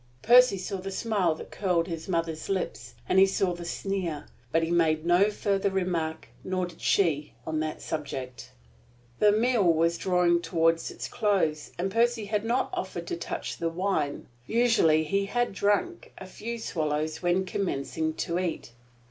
Percy saw the smile that curled his mother's lips, and he saw the sneer; but he made no further remark, nor did she, on that subject. The meal was drawing toward its close, and Percy had not offered to touch the wine. Usually he had drunk a few swallows when commencing to eat.